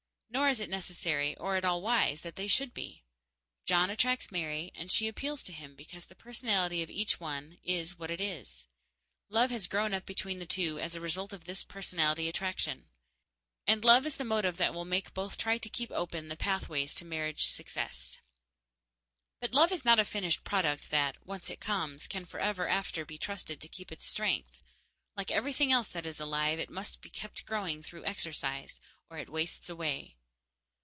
Nor is it necessary, or at all wise, that they should be. John attracts Mary, and she appeals to him, because the personality of each one is what it is. Love has grown up between the two as a result of this personality attraction. And love is the motive that will make both try to keep open the pathway to marriage success. But love is not a finished product that, once it comes, can forever after be trusted to keep its strength. Like everything else that is alive, it must be kept growing through exercise, or it wastes away.